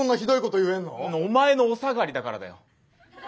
お前のお下がりだからだよ。